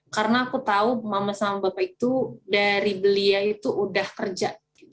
karena aku tahu mama sama bapak itu dari belia itu udah kerja